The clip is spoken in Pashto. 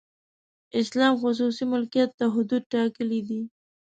اسلام خصوصي ملکیت ته حدود ټاکلي دي.